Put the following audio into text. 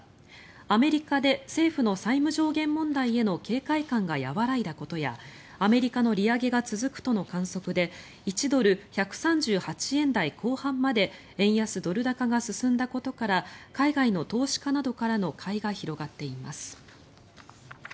アメリカで政府の債務上限問題への警戒感が和らいだことやアメリカの利上げが続くとの観測で１ドル＝１３８円台後半まで円安・ドル高が進んだことから海外の投資家などからの買いが広がっています。